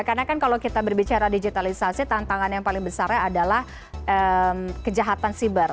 karena kan kalau kita berbicara digitalisasi tantangan yang paling besarnya adalah kejahatan cyber